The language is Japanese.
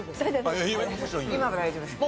今は大丈夫ですか？